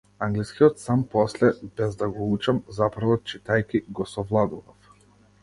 Англискиот сам после, без да го учам, заправо читајќи, го совладував.